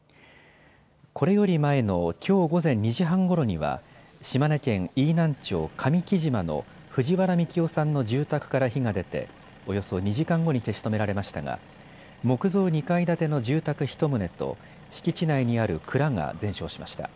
これより前のきょう午前２時半ごろには島根県飯南町上来島の藤原幹男さんの住宅から火が出ておよそ２時間後に消し止められましたが木造２階建ての住宅１棟と敷地内にある蔵が全焼しました。